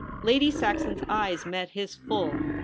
Lady Saxon's eyes met his full.